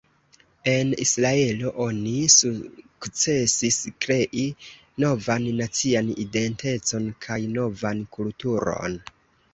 En Israelo oni sukcesis krei novan nacian identecon kaj novan kulturon.